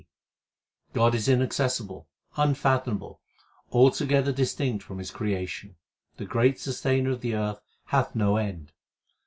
HYMNS OF GURU NANAK 363 God is inaccessible, unfathomable, altogether distinct from His creation. The great Sustainer of the earth hath no end.